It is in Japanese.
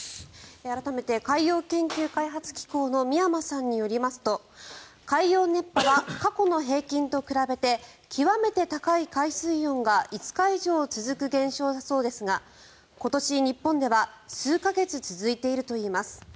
改めて海洋研究開発機構の美山さんによりますと海洋熱波は過去の平均と比べて極めて高い海水温が５日以上続く現象だそうですが今年、日本では数か月続いているといいます。